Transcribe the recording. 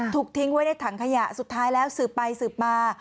ทิ้งไว้ในถังขยะสุดท้ายแล้วสืบไปสืบมา